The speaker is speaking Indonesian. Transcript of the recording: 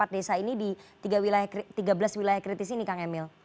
empat desa ini di tiga belas wilayah kritis ini kang emil